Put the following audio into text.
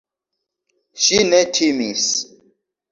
Ŝi ne timis.